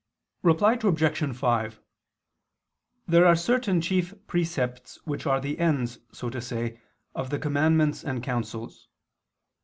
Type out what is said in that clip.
Reply Obj. 5: There are certain chief precepts which are the ends, so to say, of the commandments and counsels.